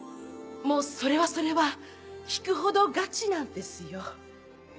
もうそれはそれは引くほどガチなんですよ。